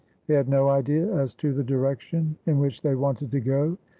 They had no idea as to the direction in which they wanted to go.